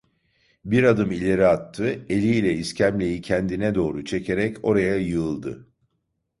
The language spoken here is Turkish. Bir adım ileri attı, eliyle iskemleyi kendine doğru çekerek oraya yığıldı.